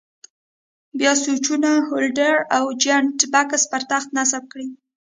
بیا سویچونه، هولډر او جاینټ بکس پر تخته نصب کړئ.